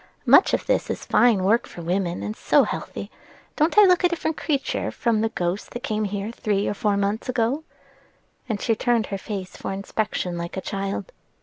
Much of this is fine work for women, and so healthy. Don't I look a different creature from the ghost that came here three or four mouths ago?" and she turned her face for inspection like a child.